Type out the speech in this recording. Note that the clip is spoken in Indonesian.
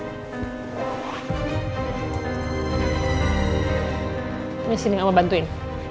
ini sini yang mau bantuin